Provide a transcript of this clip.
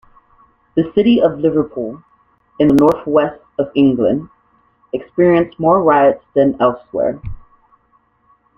The city of Liverpool, in the northwest of England, experienced more riots than elsewhere.